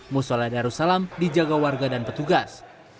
musola darussalam dijaga warga dan petugas